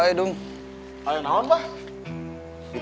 ada apa pak